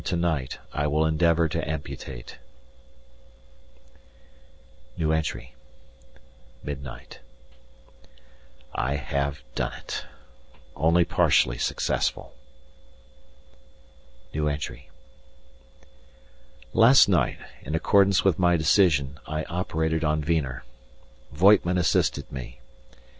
to night I will endeavour to amputate. Midnight. I have done it only partially successful. Last night, in accordance with my decision, I operated on Wiener. Voigtman assisted me.